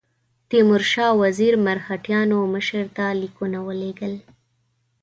تیمورشاه وزیر مرهټیانو مشر ته لیکونه ولېږل.